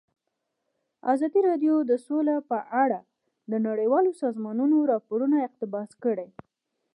ازادي راډیو د سوله په اړه د نړیوالو سازمانونو راپورونه اقتباس کړي.